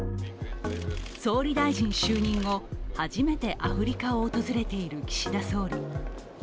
総理大臣就任後、初めてアフリカを訪れている岸田総理。